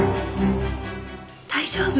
大丈夫。